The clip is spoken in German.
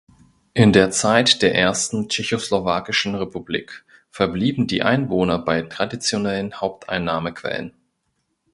In der Zeit der ersten tschechoslowakischen Republik verblieben die Einwohner bei traditionellen Haupteinnahmequellen.